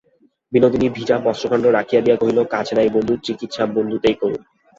বিনোদিনী ভিজা বস্ত্রখণ্ড রাখিয়া দিয়া কহিল, কাজ নাই, বন্ধুর চিকিৎসা বন্ধুতেই করুন।